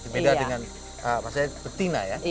beda dengan maksudnya betina ya